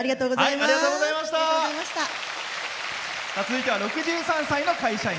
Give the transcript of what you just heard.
続いては６３歳の会社員。